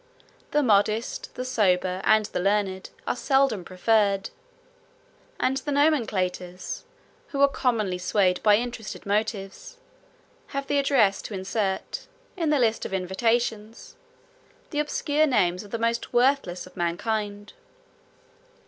The modest, the sober, and the learned, are seldom preferred; and the nomenclators, who are commonly swayed by interested motives, have the address to insert, in the list of invitations, the obscure names of the most worthless of mankind.